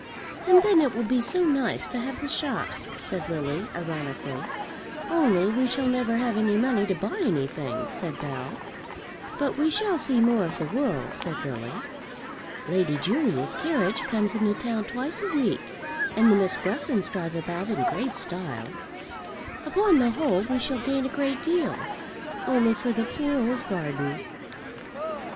"And then it will be so nice to have the shops," said Lily, ironically. "Only we shall never have any money to buy anything," said Bell. "But we shall see more of the world," said Lily. "Lady Julia's carriage comes into town twice a week, and the Miss Gruffens drive about in great style. Upon the whole, we shall gain a great deal; only for the poor old garden.